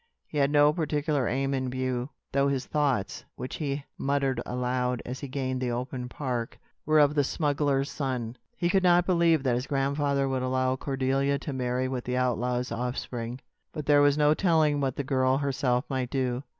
He had no particular aim in view, though his thoughts, which he muttered aloud as he gained the open park, were of the smuggler's son. He could not believe that his grandfather would allow Cordelia to marry with the outlaw's offspring; but there was no telling what the girl herself might do.